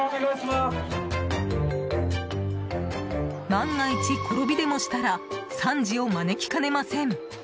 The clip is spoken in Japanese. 万が一、転びでもしたら惨事を招きかねません。